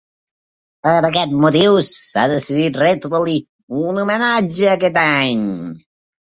Per aquest motiu, s’ha decidit retre-li un homenatge aquest any.